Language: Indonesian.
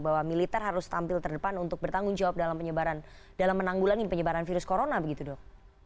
bahwa militer harus tampil terdepan untuk bertanggung jawab dalam penyebaran dalam menanggulangi penyebaran virus corona begitu dok